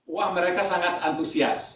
wah mereka sangat antusias